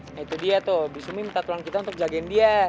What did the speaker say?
nah itu dia tuh bismi minta tolong kita untuk jagain dia